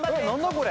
これ。